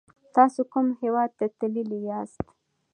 تاسو کوم هیواد ته تللی یاست؟